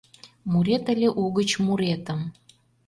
Мурет ыле угыч муретым